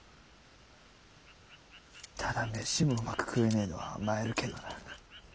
ただ飯もうまく食えねぇのは参るけんどな。